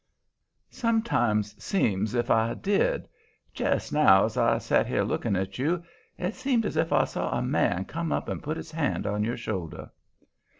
"Sometimes seems's if I did. Jest now, as I set here looking at you, it seemed as if I saw a man come up and put his hand on your shoulder."